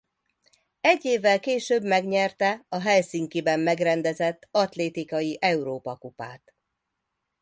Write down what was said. Egy évvel később megnyerte a Helsinkiben megrendezett atlétikai Európa-kupát.